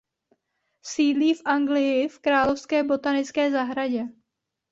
Sídlí v Anglii v Královské botanické zahradě.